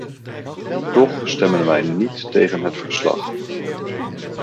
Toch stemmen wij niet tegen het verslag.